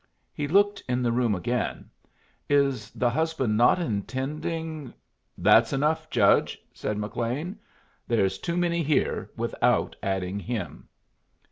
He looked in the room again. "Is the husband not intending " "That's enough, Judge," said McLean. "There's too many here without adding him."